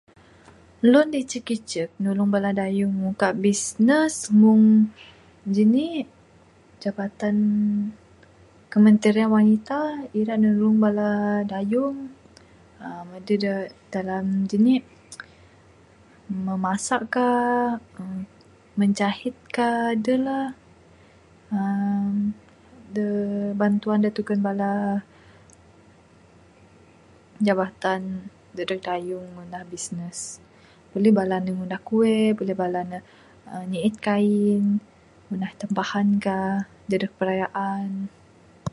Loan da icuk icuk nulung bala dayung muka bisnes mung jani'k, jabatan kementerian wanita ira'k nulung bala dayung, arr moh duh dalam janik, memasak ka, aa menjahit ka. Duhlah aa, da bantuan da tugan bala jabatan dadeg dayung ngundah bisnes. Buleh bala ne ngundah kuih, bala ne aa nyiit kain, ngundah tempahan kah dadeg perayaan.